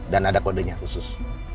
dan ada kodenya khusus